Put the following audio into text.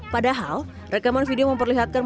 padahal rekaman video memperlihatkan